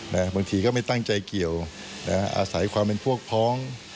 บางทีก็ไม่ตั้งใจเกี่ยวนะฮะอาศัยความเป็นพวกพ้อง